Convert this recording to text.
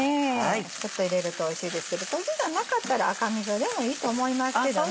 ちょっと入れるとおいしいですけど豆醤なかったら赤みそでもいいと思いますけどね。